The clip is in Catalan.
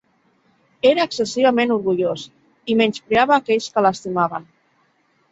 Era excessivament orgullós, i menyspreava aquells que l'estimaven.